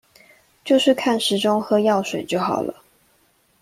就是看時鐘喝藥水就好了